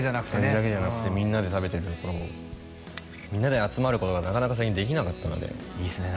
味だけじゃなくてみんなで食べてるところみんなで集まることがなかなか最近できなかったのでいいですね